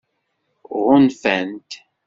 Ɣunfant-t?